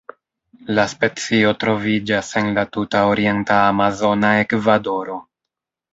La specio troviĝas en la tuta orienta amazona Ekvadoro.